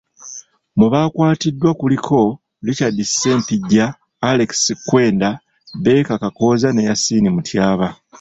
Mu baakwatiddwa kuliko; Richard Ssempijja, Alex Kwenda, Baker Kakooza ne Yasin Mutyaba.